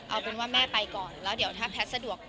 เอาเป็นว่าแม่ไปก่อนแล้วเดี๋ยวถ้าแพทย์สะดวก